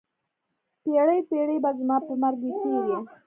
پیړۍ، پیړۍ به زما په مرګ وي تېرې